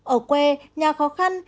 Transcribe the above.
ở quê nhà khó khăn